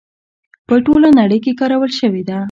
په ټوله نړۍ کې کارول شوې ده.